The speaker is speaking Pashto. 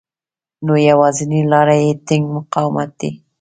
نو يوازېنۍ لاره يې ټينګ مقاومت دی.